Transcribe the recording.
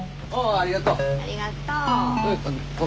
ありがとう。